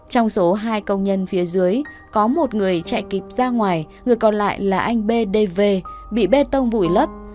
trong số hai công nhân phía dưới có một người chạy kịp ra ngoài người còn lại là anh b d v bị bê tông vụi lấp